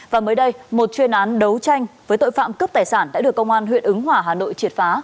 và mới đây một chuyên án đấu tranh với tội phạm cướp tài sản đã được công an huyện ứng hỏa hà nội triệt phá